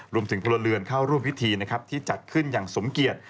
พลเรือนเข้าร่วมพิธีนะครับที่จัดขึ้นอย่างสมเกียจ